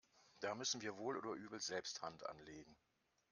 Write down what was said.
Da müssen wir wohl oder übel selbst Hand anlegen.